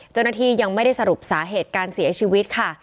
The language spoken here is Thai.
เจ้าหน้าที่ยังไม่ได้สรุปสาเหตุการเสียชีวิตค่ะ